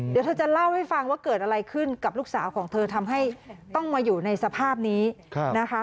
เดี๋ยวเธอจะเล่าให้ฟังว่าเกิดอะไรขึ้นกับลูกสาวของเธอทำให้ต้องมาอยู่ในสภาพนี้นะคะ